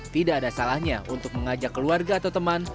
tidak ada salahnya untuk mengajak keluarga atau teman